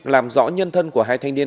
làm rõ nhân thân của hai thanh niên